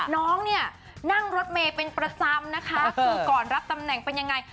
น้องเนี่ยนั่งรถเมย์เป็นประจำนะคะคือก่อนรับตำแหน่งเป็นยังไง